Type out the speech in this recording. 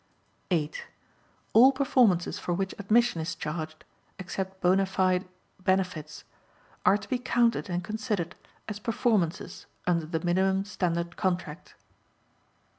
8. All performances for which admission is charged (except bona fide benefits) are to be counted and considered as performances under the Minimum Standard Contract.